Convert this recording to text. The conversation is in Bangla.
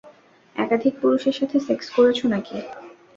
একাধিক পুরুষের সাথে সেক্স করেছ নাকি?